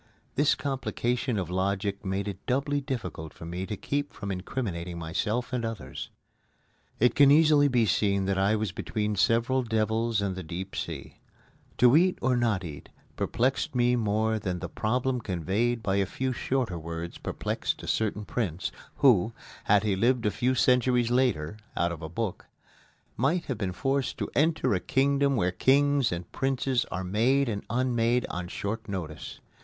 This complication of logic made it doubly difficult for me to keep from incriminating myself and others. It can easily be seen that I was between several devils and the deep sea. To eat or not to eat perplexed me more than the problem conveyed by a few shorter words perplexed a certain prince, who, had he lived a few centuries later (out of a book), might have been forced to enter a kingdom where kings and princes are made and unmade on short notice.